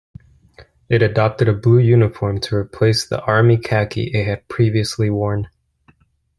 It adopted a blue uniform, to replace the army khaki it had previously worn.